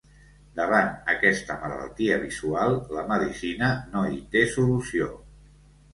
Davant aquesta malaltia visual, la medicina no hi té solució.